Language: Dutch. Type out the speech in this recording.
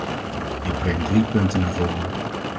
Ik breng drie punten naar voren.